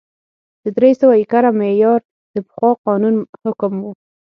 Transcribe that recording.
د درې سوه ایکره معیار د پخوا قانون حکم و